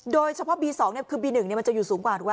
โดยเฉพาะบี๒เนี่ยคือบี๑เนี่ยมันจะอยู่สูงกว่าถูกปะ